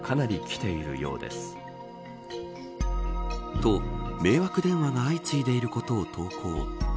と、迷惑電話が相次いでいることを投稿。